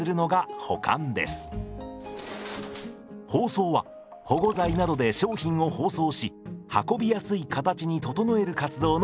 包装は保護材などで商品を包装し運びやすい形に整える活動のこと。